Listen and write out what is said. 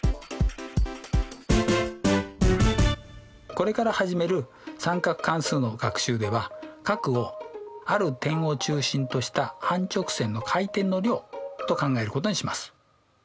これから始める三角関数の学習では角をある点を中心とした半直線の回転の量と考えることにします。